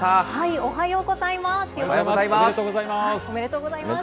おはようございます。